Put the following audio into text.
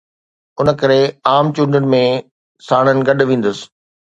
ان ڪري عام چونڊن ۾ ساڻن گڏ ويندس.